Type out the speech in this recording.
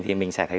thì mình sẽ thấy